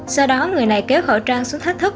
sau đó người này kéo khẩu trang xuống thách thức